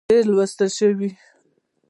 ډېر لوستل شوي